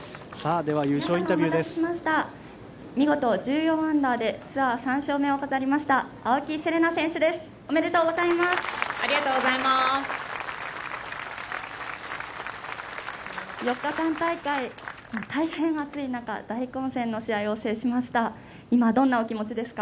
ありがとうございます。